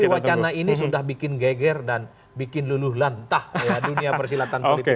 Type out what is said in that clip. wacana ini sudah bikin geger dan bikin luluh lantah dunia persilatan politik